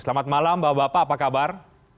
selamat malam bapak bapak apa kabar